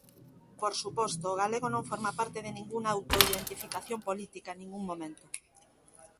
Por suposto, o galego non forma parte de ningunha autoidentificación política, en ningún momento.